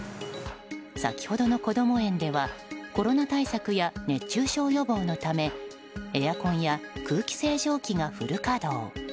先ほどのこども園ではコロナ対策や熱中症予防のためエアコンや空気清浄機がフル稼働。